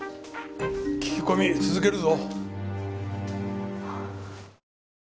聞き込み続けるぞ。